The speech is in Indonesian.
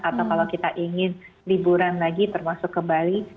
atau kalau kita ingin liburan lagi termasuk ke bali